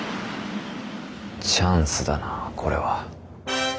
チャンスだなこれは。